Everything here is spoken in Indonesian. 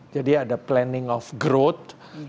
jadi ada planning of growth